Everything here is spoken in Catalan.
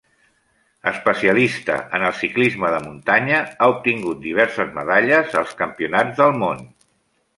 Especialista en el ciclisme de muntanya, ha obtingut diverses medalles als Campionats del món.